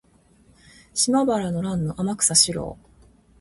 島原の乱の天草四郎